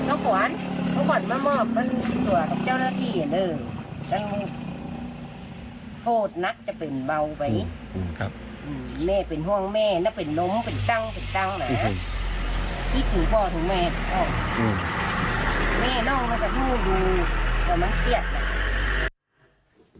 โอ้โฮเหมือนมันเกลียดอย่างนั้น